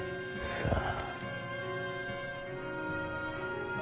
さあ。